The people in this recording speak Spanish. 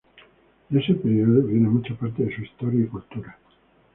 De ese periodo viene mucha parte de su historia y cultura.